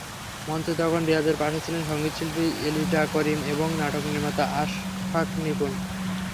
মঞ্চে তখন রিয়াজের পাশে ছিলেন সংগীতশিল্পী এলিটা করিম এবং নাটকনির্মাতা আশফাক নিপুণ।